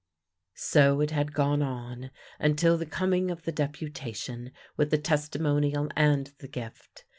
So it had gone on until the coming of the deputa tion with the testimonial and the gift.